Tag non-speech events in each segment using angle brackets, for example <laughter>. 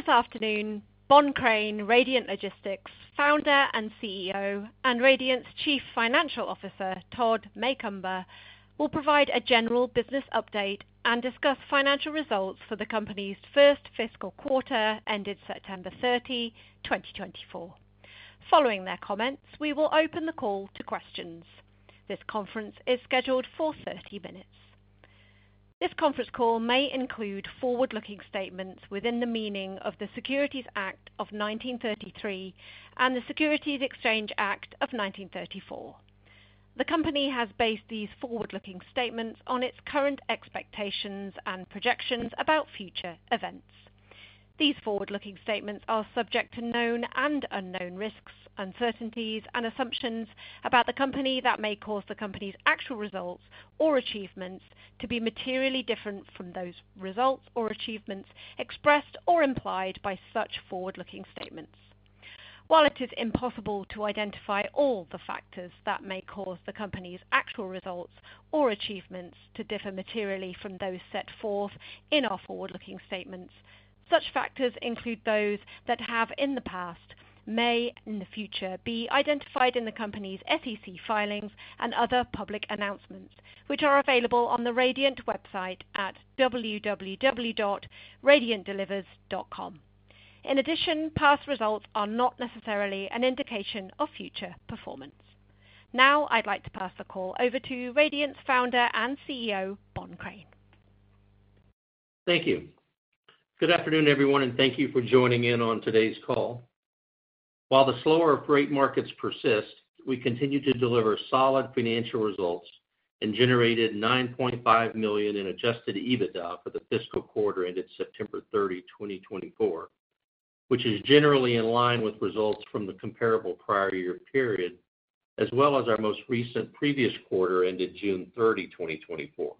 This afternoon, Bohn Crain, Radiant Logistics' founder and CEO, and Radiant's Chief Financial Officer, Todd Macomber, will provide a general business update and discuss financial results for the company's first fiscal quarter ended September 30, 2024. Following their comments, we will open the call to questions. This conference is scheduled for 30 minutes. This conference call may include forward-looking statements within the meaning of the Securities Act of 1933 and the Securities Exchange Act of 1934. The company has based these forward-looking statements on its current expectations and projections about future events. These forward-looking statements are subject to known and unknown risks, uncertainties, and assumptions about the company that may cause the company's actual results or achievements to be materially different from those results or achievements expressed or implied by such forward-looking statements. While it is impossible to identify all the factors that may cause the company's actual results or achievements to differ materially from those set forth in our forward-looking statements, such factors include those that have in the past, may in the future be identified in the company's SEC filings and other public announcements, which are available on the Radiant website at www.radiantdelivers.com. In addition, past results are not necessarily an indication of future performance. Now, I'd like to pass the call over to Radiant's founder and CEO, Bohn Crain. Thank you. Good afternoon, everyone, and thank you for joining in on today's call. While the slower freight markets persist, we continue to deliver solid financial results and generated $9.5 million in Adjusted EBITDA for the fiscal quarter ended September 30, 2024, which is generally in line with results from the comparable prior year period, as well as our most recent previous quarter ended June 30, 2024.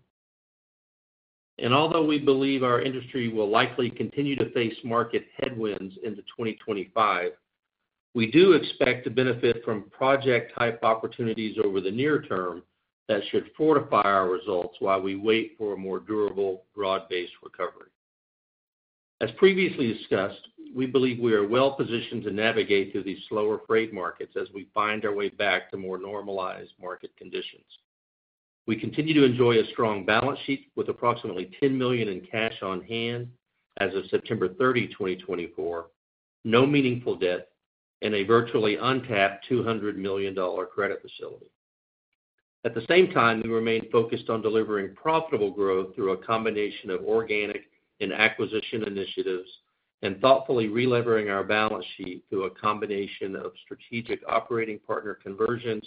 Although we believe our industry will likely continue to face market headwinds into 2025, we do expect to benefit from project-type opportunities over the near term that should fortify our results while we wait for a more durable, broad-based recovery. As previously discussed, we believe we are well positioned to navigate through these slower freight markets as we find our way back to more normalized market conditions. We continue to enjoy a strong balance sheet with approximately $10 million in cash on hand as of September 30, 2024, no meaningful debt, and a virtually untapped $200 million credit facility. At the same time, we remain focused on delivering profitable growth through a combination of organic and acquisition initiatives and thoughtfully re-levering our balance sheet through a combination of strategic operating partner conversions,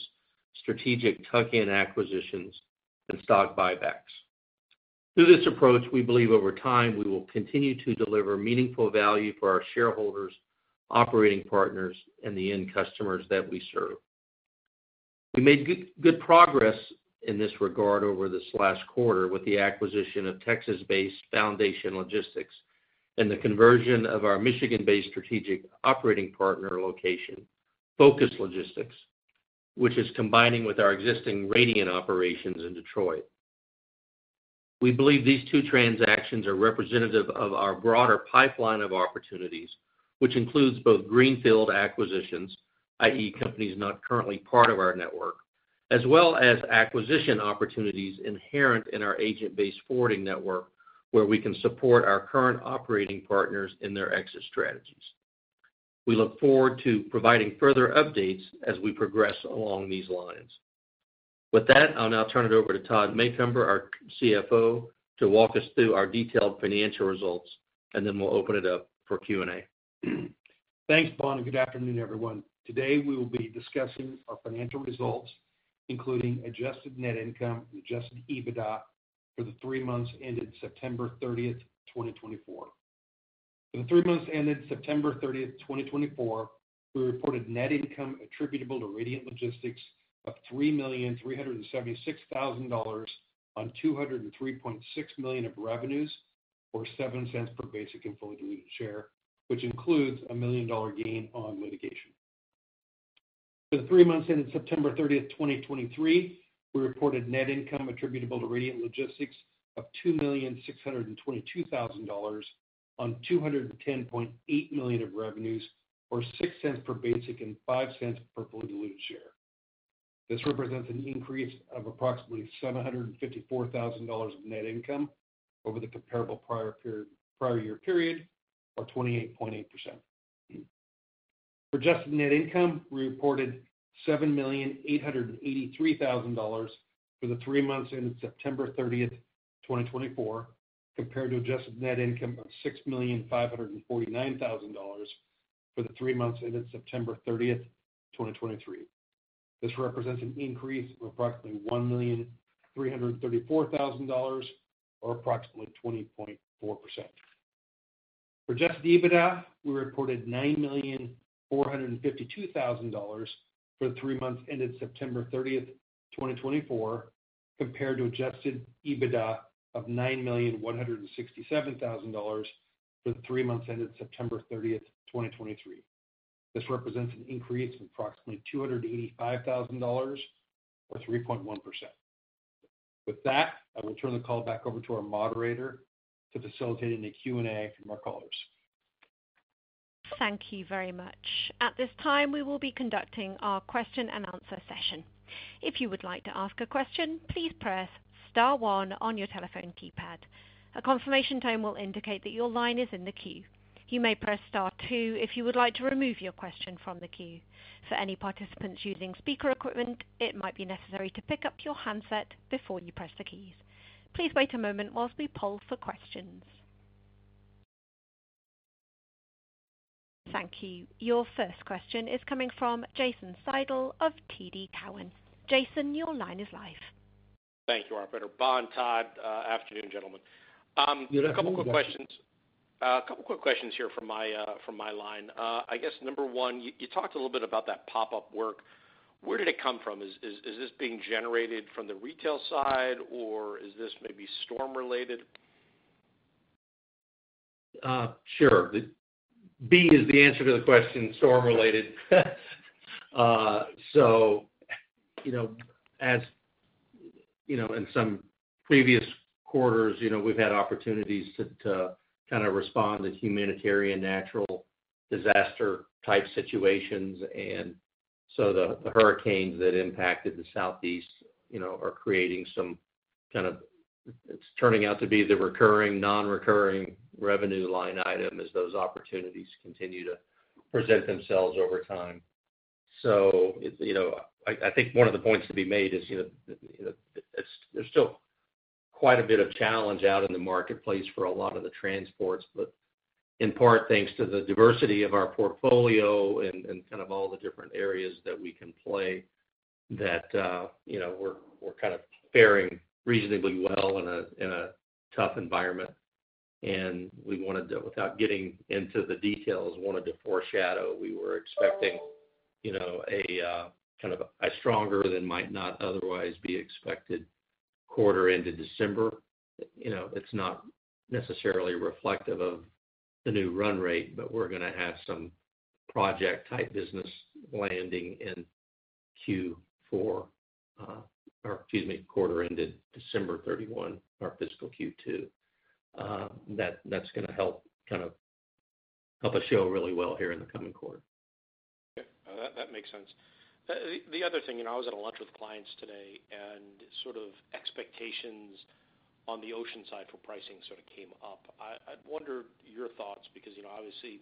strategic tuck-in acquisitions, and stock buybacks. Through this approach, we believe over time we will continue to deliver meaningful value for our shareholders, operating partners, and the end customers that we serve. We made good progress in this regard over this last quarter with the acquisition of Texas-based Foundation Logistics and the conversion of our Michigan-based strategic operating partner location, Focus Logistics, which is combining with our existing Radiant operations in Detroit. We believe these two transactions are representative of our broader pipeline of opportunities, which includes both greenfield acquisitions, i.e., companies not currently part of our network, as well as acquisition opportunities inherent in our agent-based forwarding network where we can support our current operating partners in their exit strategies. We look forward to providing further updates as we progress along these lines. With that, I'll now turn it over to Todd Macomber, our CFO, to walk us through our detailed financial results, and then we'll open it up for Q&A. Thanks, Bohn, and good afternoon, everyone. Today, we will be discussing our financial results, including adjusted net income and adjusted EBITDA for the three months ended September 30, 2024. For the three months ended September 30, 2024, we reported net income attributable to Radiant Logistics of $3,376,000 on $203.6 million of revenues or $0.07 per basic and fully diluted share, which includes a $1,000,000 gain on litigation. For the three months ended September 30, 2023, we reported net income attributable to Radiant Logistics of $2,622,000 on $210.8 million of revenues or $0.06 per basic and $0.05 per fully diluted share. This represents an increase of approximately $754,000 of net income over the comparable prior year period or 28.8%. For adjusted net income, we reported $7,883,000 for the three months ended September 30, 2024, compared to adjusted net income of $6,549,000 for the three months ended September 30, 2023. This represents an increase of approximately $1,334,000 or approximately 20.4%. For adjusted EBITDA, we reported $9,452,000 for the three months ended September 30, 2024, compared to adjusted EBITDA of $9,167,000 for the three months ended September 30, 2023. This represents an increase of approximately $285,000 or 3.1%. With that, I will turn the call back over to our moderator to facilitate any Q&A from our callers. Thank you very much. At this time, we will be conducting our question-and-answer session. If you would like to ask a question, please press star one on your telephone keypad. A confirmation tone will indicate that your line is in the queue. You may press star two if you would like to remove your question from the queue. For any participants using speaker equipment, it might be necessary to pick up your handset before you press the keys. Please wait a moment while we poll for questions. Thank you. Your first question is coming from Jason Seidl of TD Cowen. Jason, your line is live. Thank you, operator. Bohn, Todd, good afternoon, gentlemen. A couple of quick questions here from my line. I guess number one, you talked a little bit about that pop-up work. Where did it come from? Is this being generated from the retail side, or is this maybe storm-related? Sure. B is the answer to the question, storm-related, so as in some previous quarters, we've had opportunities to kind of respond to humanitarian natural disaster-type situations, and so the hurricanes that impacted the Southeast are creating some kind of. It's turning out to be the recurring, non-recurring revenue line item as those opportunities continue to present themselves over time, so I think one of the points to be made is there's still quite a bit of challenge out in the marketplace for a lot of the transports, but in part, thanks to the diversity of our portfolio and kind of all the different areas that we can play, that we're kind of faring reasonably well in a tough environment, and we wanted to, without getting into the details, wanted to foreshadow we were expecting a kind of a stronger than might not otherwise be expected quarter end of December. It's not necessarily reflective of the new run rate, but we're going to have some project-type business landing in Q4 or, excuse me, quarter ended December 31, our fiscal Q2. That's going to kind of help us show really well here in the coming quarter. Yeah. That makes sense. The other thing, I was at a lunch with clients today, and sort of expectations on the ocean side for pricing sort of came up. I wonder your thoughts because, obviously,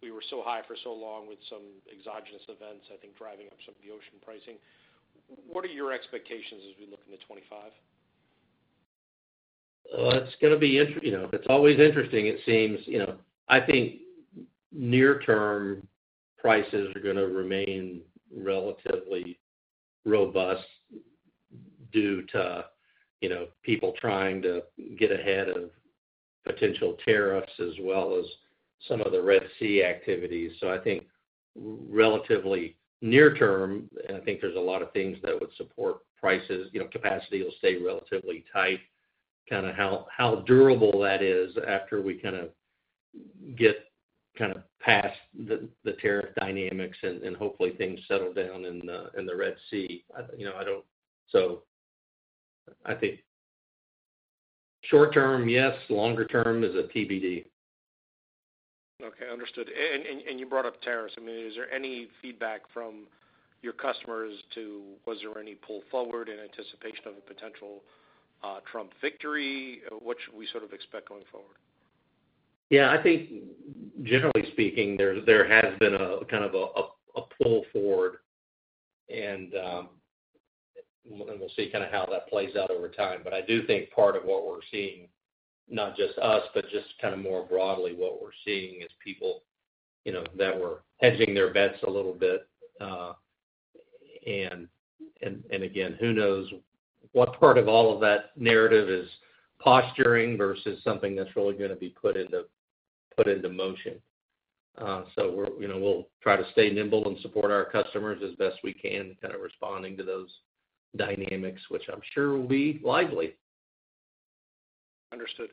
we were so high for so long with some exogenous events, I think, driving up some of the ocean pricing. What are your expectations as we look into 2025? It's going to be interesting. It's always interesting, it seems. I think near-term prices are going to remain relatively robust due to people trying to get ahead of potential tariffs as well as some of the Red Sea activities. So I think relatively near-term, and I think there's a lot of things that would support prices. Capacity will stay relatively tight, kind of how durable that is after we kind of get kind of past the tariff dynamics and hopefully things settle down in the Red Sea. I don't. So I think short-term, yes. Longer-term is a TBD. Okay. Understood, and you brought up tariffs. I mean, is there any feedback from your customers? Was there any pull forward in anticipation of a potential Trump victory? What should we sort of expect going forward? Yeah. I think, generally speaking, there has been a kind of a pull forward, and we'll see kind of how that plays out over time. But I do think part of what we're seeing, not just us, but just kind of more broadly what we're seeing is people that were hedging their bets a little bit. And again, who knows what part of all of that narrative is posturing versus something that's really going to be put into motion. So we'll try to stay nimble and support our customers as best we can kind of responding to those dynamics, which I'm sure will be lively. Understood.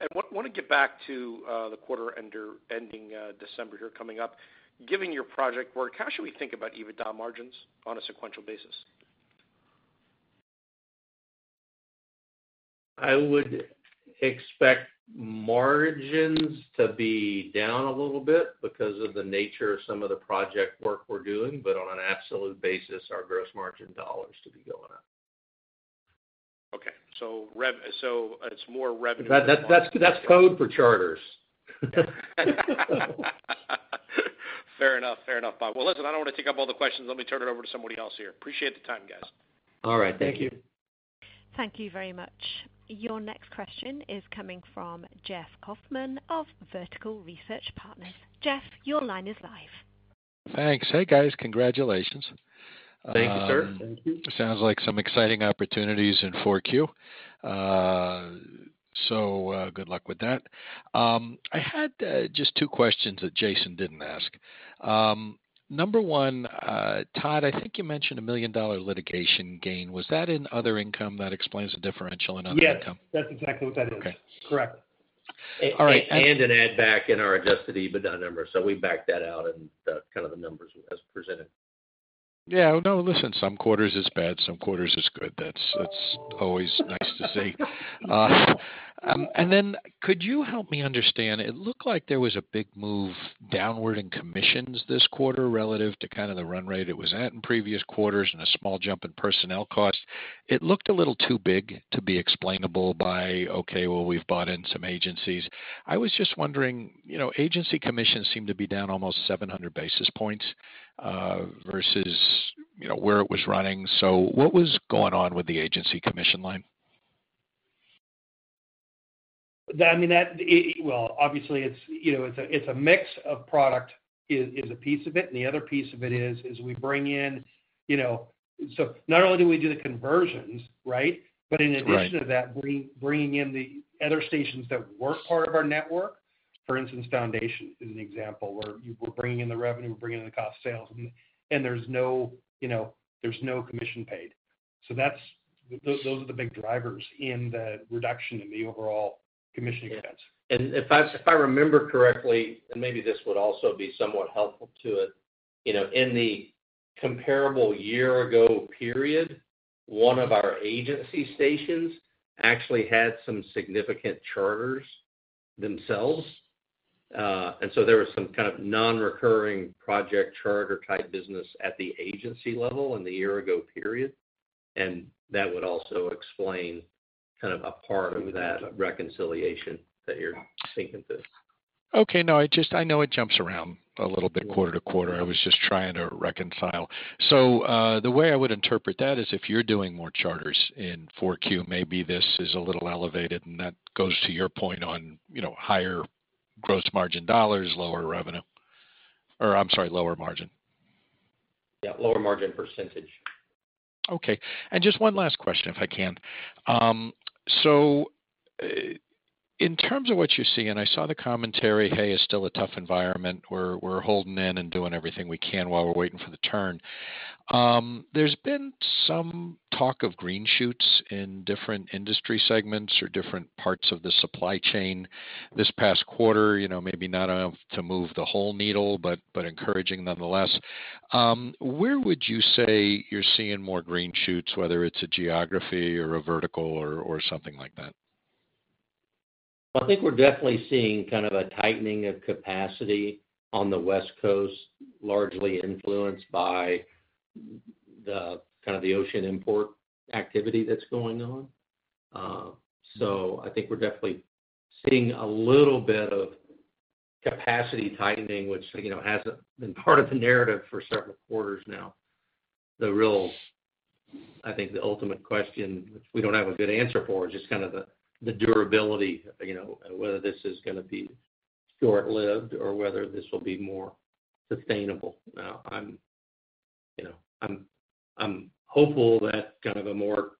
I want to get back to the quarter ending December here coming up. Given your project work, how should we think about EBITDA margins on a sequential basis? I would expect margins to be down a little bit because of the nature of some of the project work we're doing. But on an absolute basis, our gross margin dollars to be going up. Okay, so it's more revenue. That's code for charters. Fair enough. Fair enough, Bohn. Well, listen, I don't want to take up all the questions. Let me turn it over to somebody else here. Appreciate the time, guys. All right. Thank you. Thank you very much. Your next question is coming from Jeff Kauffman of Vertical Research Partners. Jeff, your line is live. Thanks. Hey, guys. Congratulations. Thank you, sir. Sounds like some exciting opportunities in 4Q. So good luck with that. I had just two questions that Jason didn't ask. Number one, Todd, I think you mentioned a $1 million litigation gain. Was that in other income? That explains the differential in other income? Yes. That's exactly what that is. Correct. All right. And an add-back in our Adjusted EBITDA number. So we backed that out in kind of the numbers as presented. Yeah. No, listen, some quarters is bad. Some quarters is good. That's always nice to see. And then could you help me understand? It looked like there was a big move downward in commissions this quarter relative to kind of the run rate it was at in previous quarters and a small jump in personnel cost. It looked a little too big to be explainable by, "Okay, well, we've bought in some agencies." I was just wondering, agency commissions seem to be down almost 700 basis points versus where it was running. So what was going on with the agency commission line? I mean, well, obviously, it's a mix of product is a piece of it. And the other piece of it is we bring in so not only do we do the conversions, right, but in addition to that, bringing in the other stations that weren't part of our network, for instance, Foundation is an example where we're bringing in the revenue, we're bringing in the cost of sales, and there's no commission paid. So those are the big drivers in the reduction in the overall commission expense. And if I remember correctly, and maybe this would also be somewhat helpful to it, in the comparable year-ago period, one of our agency stations actually had some significant charters themselves. And so there was some kind of non-recurring project charter-type business at the agency level in the year-ago period. And that would also explain kind of a part of that reconciliation that you're thinking through. Okay. No, I know it jumps around a little bit quarter to quarter. I was just trying to reconcile. So the way I would interpret that is if you're doing more charters in 4Q, maybe this is a little elevated. And that goes to your point on higher gross margin dollars, lower revenue, or I'm sorry, lower margin. Yeah. Lower margin percentage. Okay. And just one last question, if I can. So in terms of what you see, and I saw the commentary, "Hey, it's still a tough environment. We're holding in and doing everything we can while we're waiting for the turn." There's been some talk of green shoots in different industry segments or different parts of the supply chain this past quarter, maybe not enough to move the whole needle, but encouraging nonetheless. Where would you say you're seeing more green shoots, whether it's a geography or a vertical or something like that? I think we're definitely seeing kind of a tightening of capacity on the West Coast, largely influenced by kind of the ocean import activity that's going on. So I think we're definitely seeing a little bit of capacity tightening, which hasn't been part of the narrative for several quarters now. The real, I think, the ultimate question, which we don't have a good answer for, is just kind of the durability, whether this is going to be short-lived or whether this will be more sustainable. Now, I'm hopeful that kind of a more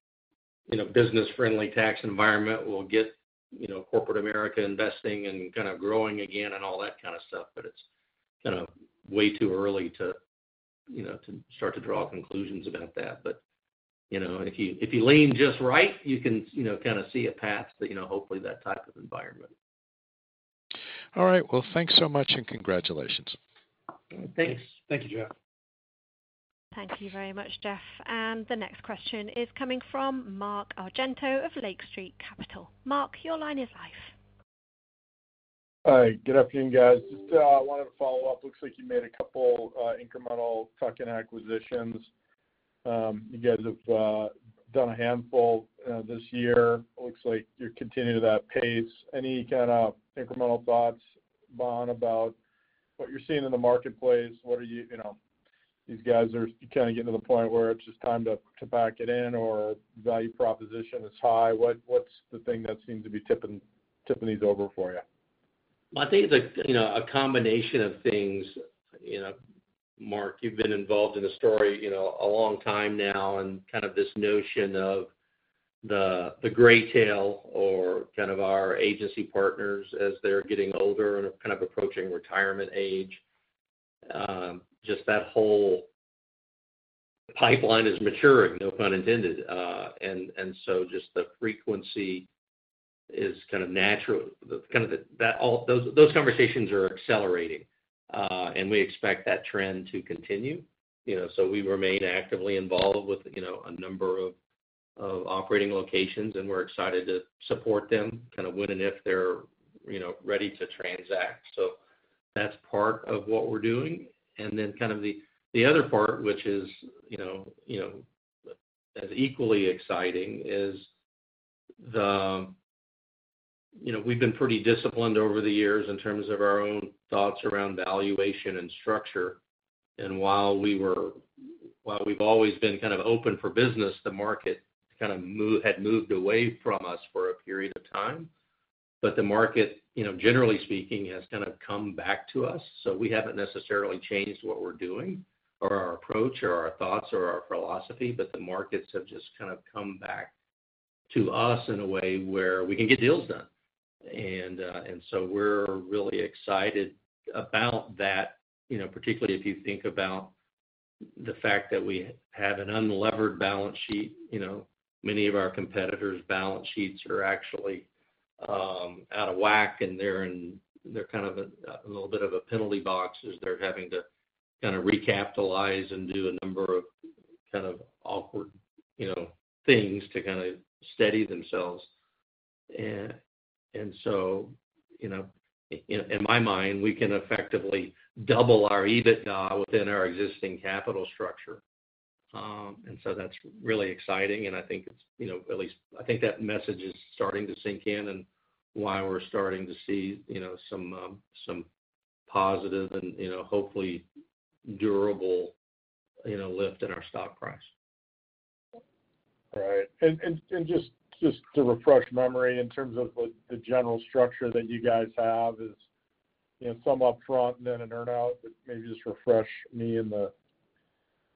business-friendly tax environment will get corporate America investing and kind of growing again and all that kind of stuff. But it's kind of way too early to start to draw conclusions about that. But if you lean just right, you can kind of see a path to hopefully that type of environment. All right, well, thanks so much and congratulations. Thanks. Thank you, Jeff. Thank you very much, Jeff. And the next question is coming from Mark Argento of Lake Street Capital Markets. Mark, your line is live. Hi. Good afternoon, guys. Just wanted to follow up. Looks like you made a couple of incremental tuck-in acquisitions. You guys have done a handful this year. Looks like you're continuing to that pace. Any kind of incremental thoughts, Bohn, about what you're seeing in the marketplace? What are these guys kind of getting to the point where it's just time to pack it in or value proposition is high? What's the thing that seems to be tipping these over for you? I think it's a combination of things. Mark, you've been involved in the story a long time now and kind of this notion of the Gray Tail or kind of our agency partners as they're getting older and kind of approaching retirement age. Just that whole pipeline is maturing, no pun intended. And so just the frequency is kind of natural. Those conversations are accelerating, and we expect that trend to continue. So we remain actively involved with a number of operating locations, and we're excited to support them, kind of when and if they're ready to transact. So that's part of what we're doing. And then kind of the other part, which is as equally exciting, is we've been pretty disciplined over the years in terms of our own thoughts around valuation and structure. While we've always been kind of open for business, the market kind of had moved away from us for a period of time. The market, generally speaking, has kind of come back to us. We haven't necessarily changed what we're doing or our approach or our thoughts or our philosophy, but the markets have just kind of come back to us in a way where we can get deals done. We're really excited about that, particularly if you think about the fact that we have an unlevered balance sheet. Many of our competitors' balance sheets are actually out of whack, and they're kind of in a little bit of a penalty box as they're having to kind of recapitalize and do a number of kind of awkward things to kind of steady themselves. And so in my mind, we can effectively double our EBITDA within our existing capital structure. And so that's really exciting. And I think it's at least that message is starting to sink in and why we're starting to see some positive and hopefully durable lift in our stock price. All right. And just to refresh memory in terms of the general structure that you guys have is some upfront and then an earn-out, but maybe just refresh me and the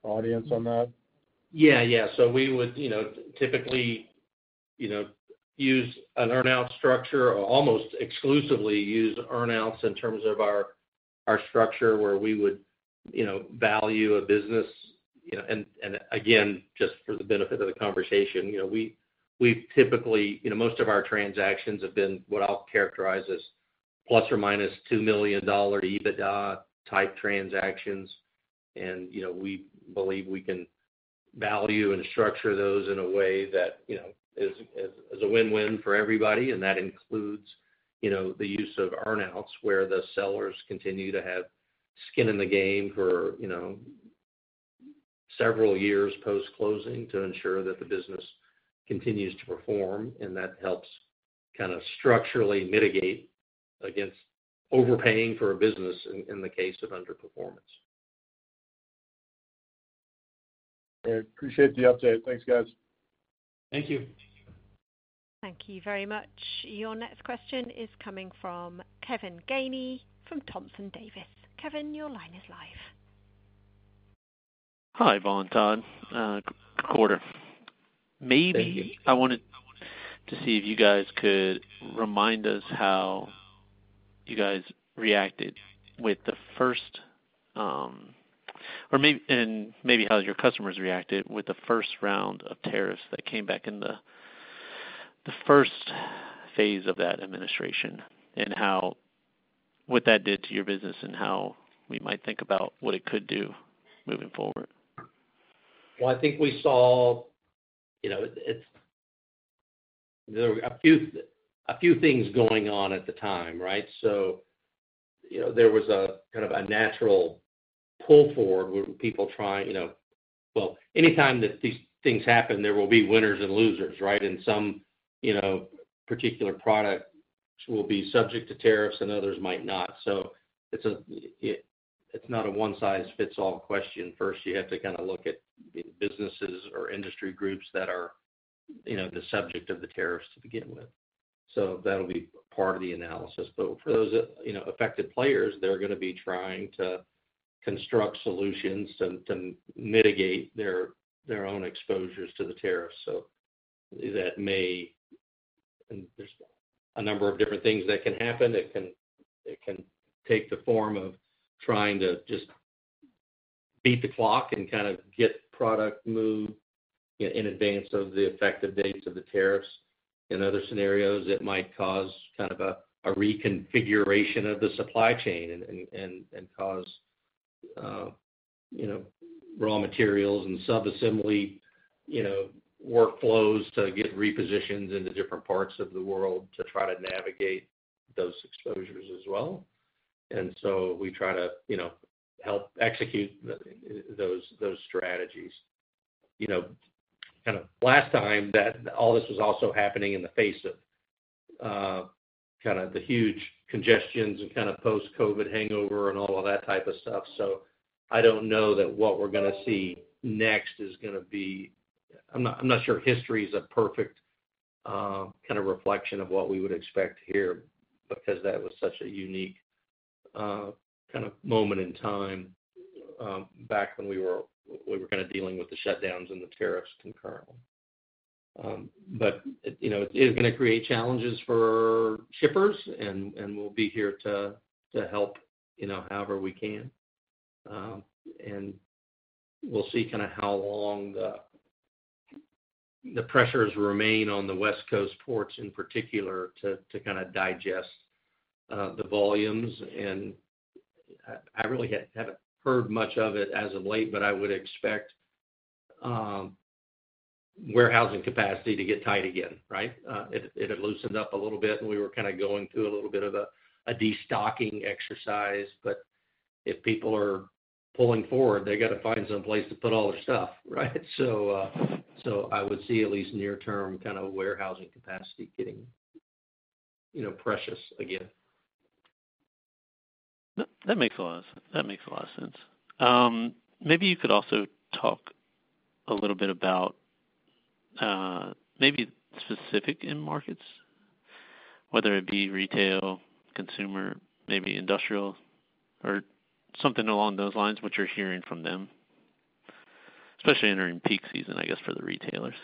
audience on that. Yeah. Yeah. So we would typically use an earn-out structure or almost exclusively use earn-outs in terms of our structure where we would value a business. And again, just for the benefit of the conversation, we've typically most of our transactions have been what I'll characterize as plus or minus $2 million EBITDA type transactions. And we believe we can value and structure those in a way that is a win-win for everybody. And that includes the use of earn-outs where the sellers continue to have skin in the game for several years post-closing to ensure that the business continues to perform. And that helps kind of structurally mitigate against overpaying for a business in the case of underperformance. All right. Appreciate the update. Thanks, guys. Thank you. Thank you very much. Your next question is coming from Kevin Gainey from Thompson Davis. Kevin, your line is live. Hi, Bohn, Todd. Question. Maybe I wanted to see if you guys could remind us how you guys reacted with the first and maybe how your customers reacted with the first round of tariffs that came back in the first phase of that administration and what that did to your business and how we might think about what it could do moving forward? Well, I think we saw there were a few things going on at the time, right? So there was kind of a natural pull forward when people try to. Well, anytime that these things happen, there will be winners and losers, right? And some particular products will be subject to tariffs and others might not. So it's not a one-size-fits-all question. First, you have to kind of look at businesses or industry groups that are the subject of the tariffs to begin with. So that'll be part of the analysis. But for those affected players, they're going to be trying to construct solutions to mitigate their own exposures to the tariffs. So that may, and there's a number of different things that can happen. It can take the form of trying to just beat the clock and kind of get product moved in advance of the effective dates of the tariffs. In other scenarios, it might cause kind of a reconfiguration of the supply chain and cause raw materials and subassembly workflows to get repositioned into different parts of the world to try to navigate those exposures as well. And so we try to help execute those strategies. Kind of last time, all this was also happening in the face of kind of the huge congestions and kind of post-COVID hangover and all of that type of stuff. So I don't know that what we're going to see next is going to be. I'm not sure history is a perfect kind of reflection of what we would expect here because that was such a unique kind of moment in time back when we were kind of dealing with the shutdowns and the tariffs concurrently. But it is going to create challenges for shippers, and we'll be here to help however we can. And we'll see kind of how long the pressures remain on the West Coast ports in particular to kind of digest the volumes. And I really haven't heard much of it as of late, but I would expect warehousing capacity to get tight again, right? It had loosened up a little bit, and we were kind of going through a little bit of a destocking exercise. But if people are pulling forward, they got to find someplace to put all their stuff, right? So I would see at least near-term kind of warehousing capacity getting precious again. That makes a lot of sense. Maybe you could also talk a little bit about maybe specific end markets, whether it be retail, consumer, maybe industrial, or something along those lines, what you're hearing from them, especially entering peak season, I guess, for the retailers.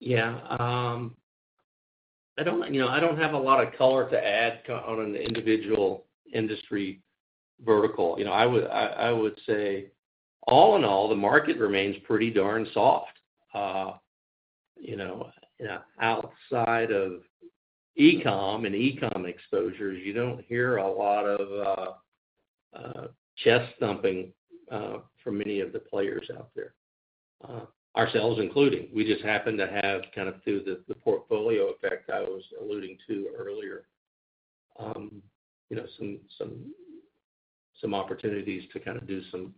Yeah. I don't have a lot of color to add on an individual industry vertical. I would say, all in all, the market remains pretty darn soft. Outside of ECOM and ECOM exposures, you don't hear a lot of chest-thumping from any of the players out there, ourselves including. We just happen to have kind of through the portfolio effect I was alluding to earlier, some opportunities to kind of do some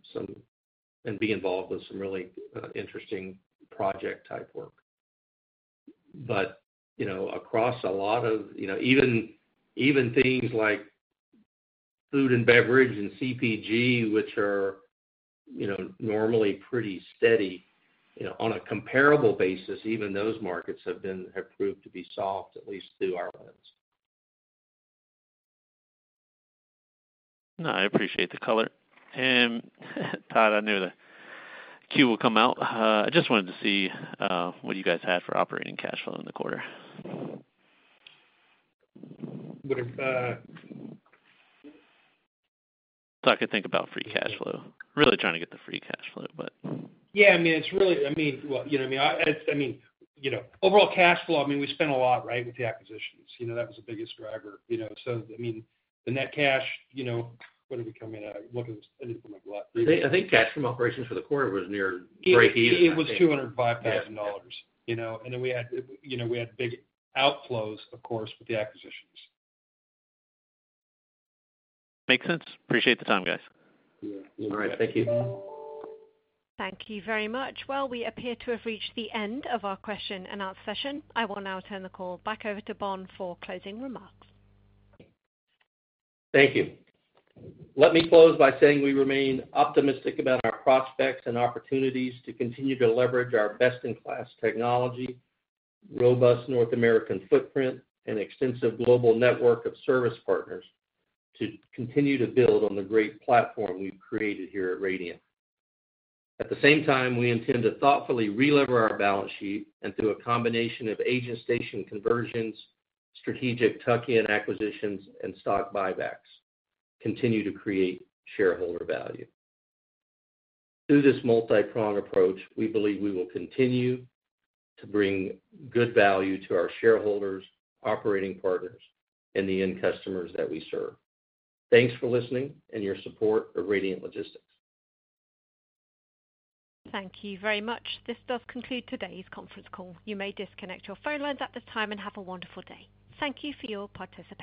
and be involved with some really interesting project-type work. But across a lot of even things like food and beverage and CPG, which are normally pretty steady, on a comparable basis, even those markets have proved to be soft, at least through our lens. No, I appreciate the color. And Todd, I knew the Q would come out. I just wanted to see what you guys had for operating cash flow in the quarter. <audio distortion> Thought I could think about free cash flow. Really trying to get the free cash flow, but. Yeah. I mean, it's really I mean, well, you know what I mean? I mean, overall cash flow, I mean, we spent a lot, right, with the acquisitions. That was the biggest driver. So I mean, the net cash, what did we come in at? I need to put my glasses. I think cash from operations for the quarter was near break-even. It was $205,000. And then we had big outflows, of course, with the acquisitions. Makes sense. Appreciate the time, guys. All right. Thank you. Thank you very much. Well, we appear to have reached the end of our question and answer session. I will now turn the call back over to Bohn for closing remarks. Thank you. Let me close by saying we remain optimistic about our prospects and opportunities to continue to leverage our best-in-class technology, robust North American footprint, and extensive global network of service partners to continue to build on the great platform we've created here at Radiant. At the same time, we intend to thoughtfully re-lever our balance sheet and, through a combination of agent station conversions, strategic tuck-in acquisitions, and stock buybacks, continue to create shareholder value. Through this multi-prong approach, we believe we will continue to bring good value to our shareholders, operating partners, and the end customers that we serve. Thanks for listening and your support of Radiant Logistics. Thank you very much. This does conclude today's conference call. You may disconnect your phone lines at this time and have a wonderful day. Thank you for your participation.